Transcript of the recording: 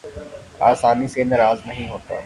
آسانی سے ناراض نہیں ہوتا